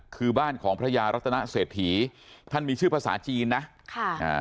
คือบ้านของพระยารัตนเศรษฐีท่านมีชื่อภาษาจีนนะค่ะอ่า